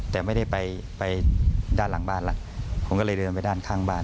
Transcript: แต่ไม่ได้ไปด้านหลังบ้านแล้วผมก็เลยเดินไปด้านข้างบ้าน